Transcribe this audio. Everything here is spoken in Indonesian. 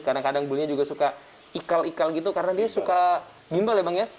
kadang kadang bullnya juga suka ikal ikal gitu karena dia suka gimbal ya bang ya